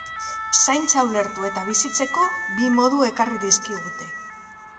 Zaintza ulertu eta bizitzeko bi modu ekarri dizkigute.